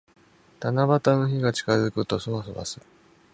七夕の日が近づくと、そわそわする。